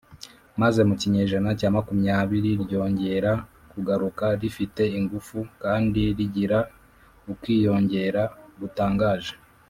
maze mu kinyejana cya makumyabiri ryongera kugaruka rifite ingufu kandi rigira ukwiyongera gutangaje.